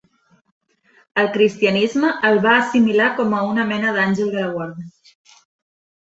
El cristianisme el va assimilar com a una mena d'àngel de la guarda.